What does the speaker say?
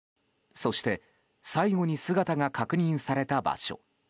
そして、最後に姿が確認された場所。